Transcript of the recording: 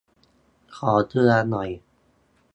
ขอเกลือหน่อย